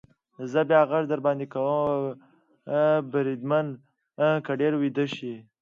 زه بیا غږ در باندې کوم، بریدمنه، که ډېر ویده شې.